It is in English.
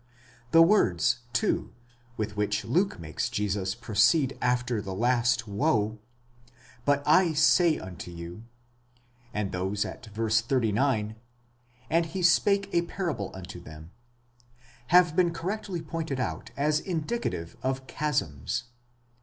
The words, too, with which Luke makes Jesus pro ceed after the last woe: But 7 say unto you, and those at v. 39, And he spake a parable unto them, have been correctly pointed out as indicative of chasms.?